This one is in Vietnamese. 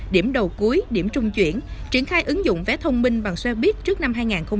điểm đầu cuối điểm trung chuyển triển khai ứng dụng vé thông minh bằng xe buýt trước năm hai nghìn hai mươi